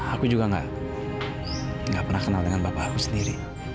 aku juga gak pernah kenal dengan bapak aku sendiri